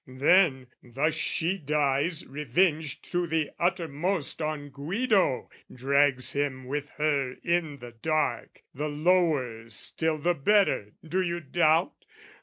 "Then, thus she dies revenged to the uttermost "On Guido, drags him with her in the dark, "The lower still the better, do you doubt?